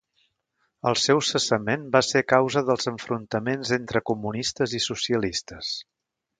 El seu cessament va ser a causa dels enfrontaments entre comunistes i socialistes.